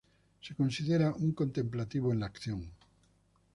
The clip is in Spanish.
Se consideraba "un contemplativo en la acción".